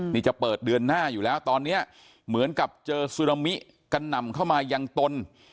นี่จะเปิดเดือนหน้าอยู่แล้วตอนนี้เหมือนกับเจอซึนามิกระหน่ำเข้ามายังตน